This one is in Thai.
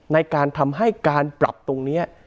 ในการทำให้การปรับตรงนี้